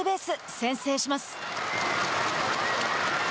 先制します。